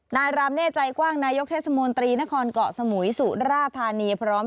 นายรามเน่ใจกว้างนายกเทศมนตรีนครเกาะสมุยสุราธานีพร้อม